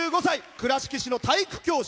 倉敷市の体育教師。